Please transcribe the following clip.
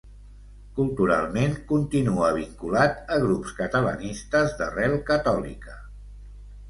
Culturalment continua vinculat a grups catalanistes d'arrel catòlica.